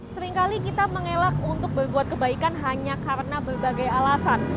seringkali kita mengelak untuk berbuat kebaikan hanya karena berbagai alasan